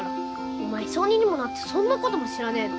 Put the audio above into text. お前小２にもなってそんなことも知らねぇの？